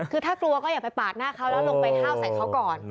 คือถ้ากลัวก็อย่าไปปาดหน้าเขาแล้วลงไปห้าวใส่เขาก่อน